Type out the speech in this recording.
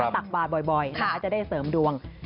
ตักบาดบ่อยจะได้เสริมดวง